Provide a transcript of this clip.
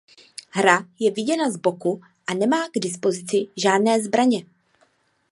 Hra je viděna z boku a nemá k dispozici žádné zbraně.